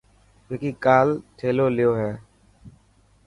وڪي ڪال ٿيلو ليو هي.